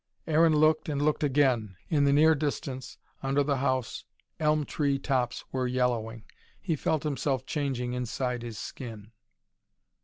Aaron looked, and looked again. In the near distance, under the house elm tree tops were yellowing. He felt himself changing inside his skin.